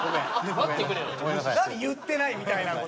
何言ってないみたいな事。